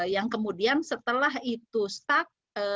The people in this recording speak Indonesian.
yang kemudian setelah itu stuck